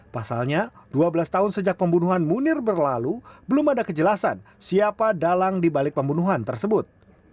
pasalnya dua belas tahun sejak pembunuhan munir berlalu belum ada kejelasan siapa dalang dibalik pembunuhan tersebut